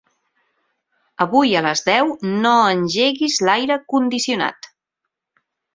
Avui a les deu no engeguis l'aire condicionat.